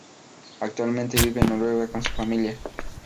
Actualmente vive en Noruega con su familia.